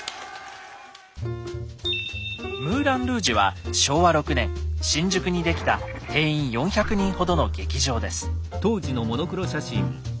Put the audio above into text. ムーラン・ルージュは昭和６年新宿に出来た定員４００人ほどの劇場です。